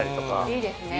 いいですね。